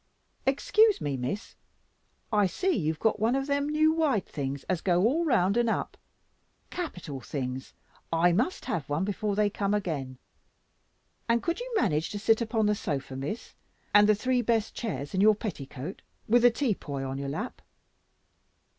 Excuse me, Miss, I see you have got one of them new wide things as go all round and up capital things, I must have one before they come again. And could you manage to sit upon the sofa, Miss, and the three best chairs in your petticoat, with the tea poy on your lap?"